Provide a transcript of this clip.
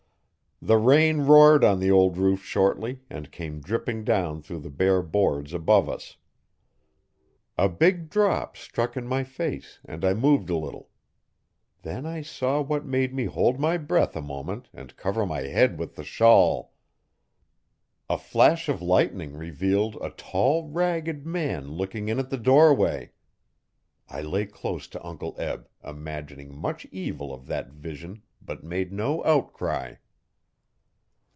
The rain roared on the old roof shortly, and came dripping down through the bare boards above us. A big drop struck in my face and I moved a little. Then I saw what made me hold my breath a moment and cover my head with the shawl. A flash of lightning revealed a tall, ragged man looking in at the doorway. I lay close to Uncle Eb imagining much evil of that vision but made no outcry.